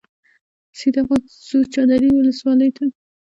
سیده ځو چاردرې ولسوالۍ ته.